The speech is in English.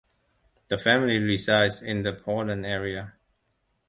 The family resides in the Portland area.